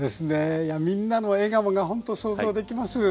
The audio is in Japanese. いやみんなの笑顔がほんと想像できます。